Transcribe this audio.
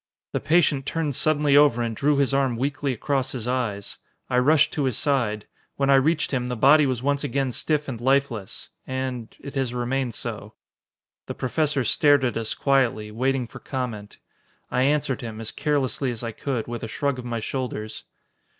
"The patient turned suddenly over and drew his arm weakly across his eyes. I rushed to his side. When I reached him, the body was once again stiff and lifeless. And it has remained so." The Professor stared at us quietly, waiting for comment. I answered him, as carelessly as I could, with a shrug of my shoulders.